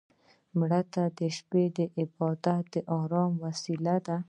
مړه ته د شپه عبادت د ارام وسيله ده